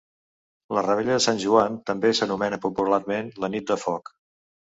La revetlla de Sant Joan també s'anomena popularment la Nit de Foc.